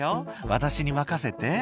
「私に任せて」